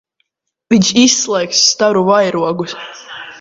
Viņš izslēgs staru vairogus.